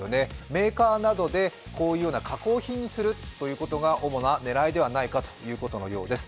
メーカーなどでこういうような加工品にすることが主な狙いではないかということです。